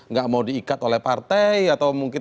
nggak mau diikat oleh partai atau mungkin